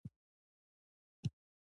له هغو مدرسو سره مالي مرستې.